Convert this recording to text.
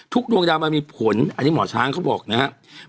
ดวงดาวมันมีผลอันนี้หมอช้างเขาบอกนะครับ